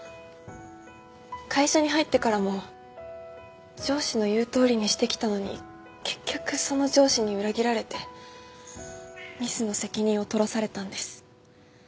会社に入ってからも上司の言うとおりにしてきたのに結局その上司に裏切られてミスの責任を取らされたんです。